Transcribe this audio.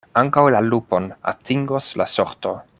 Ankaŭ la lupon atingos la sorto.